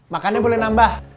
makannya boleh nambah